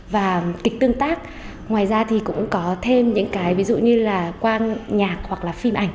và kịch tương tác ngoài ra thì cũng có thêm những cái ví dụ như là quang nhạc hoặc là phim ảnh